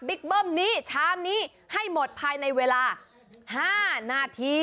เบิ้มนี้ชามนี้ให้หมดภายในเวลา๕นาที